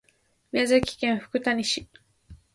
宮城県富谷市